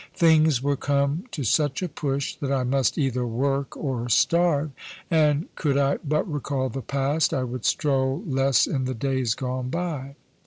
Things were come to such a push that I must either work or starve; and could I but recall the past, I would stroll less in the days gone by.